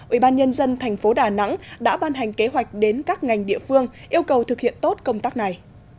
ubnd tp đà nẵng đã ban hành kế hoạch đến các ngành địa phương yêu cầu thực hiện tốt công tác này